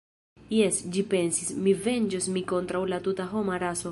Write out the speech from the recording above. Jes, ĝi pensis, mi venĝos min kontraŭ la tuta homa raso!